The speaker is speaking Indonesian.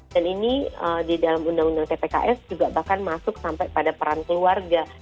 dan ini di dalam undang undang ppks juga bahkan masuk sampai pada peran keluarga